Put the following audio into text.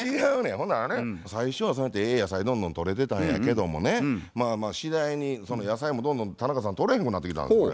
ほんならね最初はそうやってええ野菜どんどんとれてたんやけどもねまあまあ次第に野菜もどんどん田中さんとれへんくなってきたんですこれ。